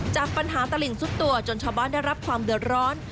จากปัญหาตลิ่งสุดตัวจนชาวบ้านได้รับความเดือดร้อน